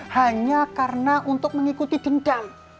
hanya karena untuk mengikuti dendam